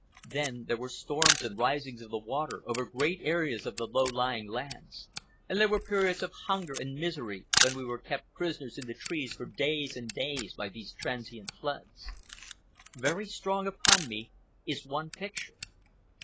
Then there were storms and risings of the water over great areas of the low lying lands; and there were periods of hunger and misery when we were kept prisoners in the trees for days and days by these transient floods. Very strong upon me is one picture.